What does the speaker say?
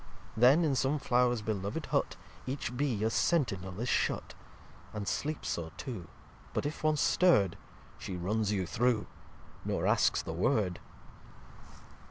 Then in some Flow'rs beloved Hut Each Bee as Sentinel is shut; And sleeps so too: but, if once stir'd, She runs you through, nor askes the Word.